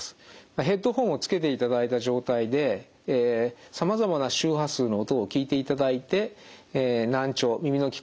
ヘッドホンをつけていただいた状態でさまざまな周波数の音を聞いていただいて難聴耳の聞こえの悪さがですね